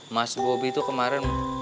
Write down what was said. mas bobby tuh kemarin